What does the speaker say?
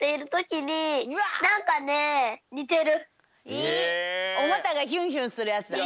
えっおまたがヒュンヒュンするやつだ。